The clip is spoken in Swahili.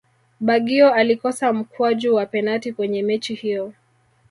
baggio alikosa mkwaju wa penati kwenye mechi hiyo